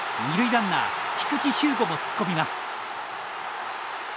ランナー菊地彪吾も突っ込みます。